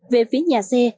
về phía nhà xe